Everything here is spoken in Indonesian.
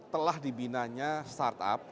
telah dibinanya start up